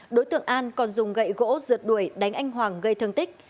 đối tượng an còn dùng gậy gỗ rượt đuổi đánh anh hoàng gây thương tích